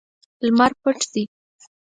لمر پټ دی